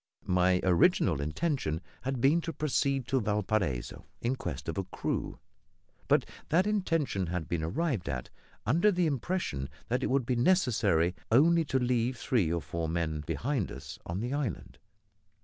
My original intention had been to proceed to Valparaiso in quest of a crew, but that intention had been arrived at under the impression that it would be necessary only to leave three or four men behind us on the island.